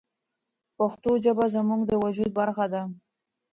پښتو ژبه زموږ د وجود برخه ده.